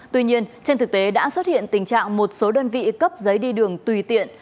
tuy nhiên trên thực tế đã xuất hiện tình trạng một số đơn vị cấp giấy đi đường tùy tiện